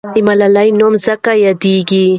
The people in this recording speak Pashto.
د ملالۍ نوم ځکه یاديږي.